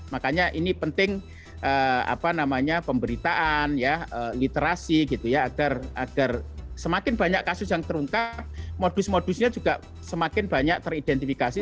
makanya ini penting apa namanya pemberitaan literasi gitu ya agar semakin banyak kasus yang terungkap modus modusnya juga semakin banyak teridentifikasi